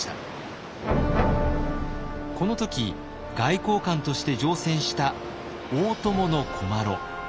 この時外交官として乗船した大伴古麻呂。